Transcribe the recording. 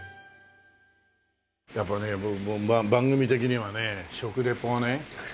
やっぱりね番組的にはね食リポをね。